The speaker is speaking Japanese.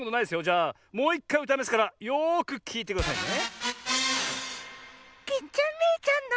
じゃあもういっかいうたいますからよくきいてくださいね。